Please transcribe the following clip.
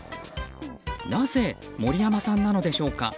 なぜ、森山さんなのでしょうか。